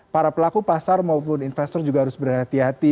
para pelaku pasar maupun investor juga harus berhati hati